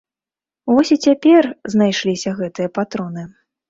Вось і цяпер знайшліся гэтыя патроны.